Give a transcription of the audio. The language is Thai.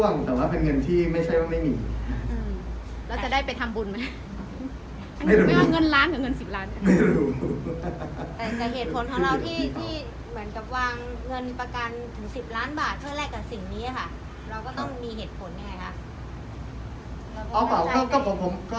มันก็ไม่ใช่เงินที่มันจะต้องแบ่ง